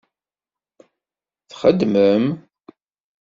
Txeddmem?